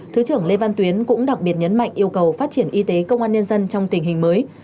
thứ trưởng lê văn tuyến cũng đặc biệt nhấn mạnh yêu cầu phát triển y tế công an nhân dân trong tình hình mới